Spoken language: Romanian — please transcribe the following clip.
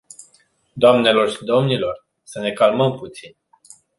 Doamnelor și domnilor, să ne calmăm puțin.